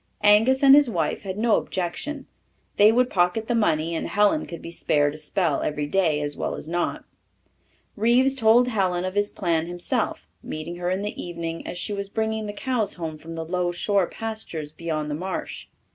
Angus and his wife had no objection. They would pocket the money, and Helen could be spared a spell every day as well as not. Reeves told Helen of his plan himself, meeting her in the evening as she was bringing the cows home from the low shore pastures beyond the marsh.